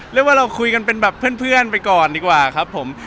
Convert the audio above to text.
เรียกว่าเราคุยกันเป็นแบบเพื่อนไปก่อนดีกว่าครับผม